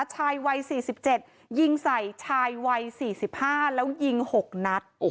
ชายวัย๔๗ยิงใส่ชายวัย๔๕แล้วยิง๖นัด